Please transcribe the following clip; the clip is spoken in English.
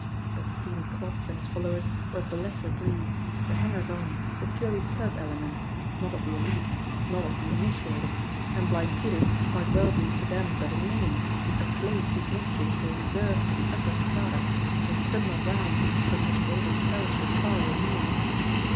But Steenie Klotz and his followers were of the lesser breed, the hangers on, the purely thug element, not of the elite, not of the initiated, and Blind Peter's might well be to them but a name, a place whose J290 JIMMIE DALE AND THE PHANTOM CLUE mysteries were reserved for the upper strata of the criminal realm from which they themselves were far removed.